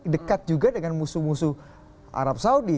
dekat juga dengan musuh musuh arab saudi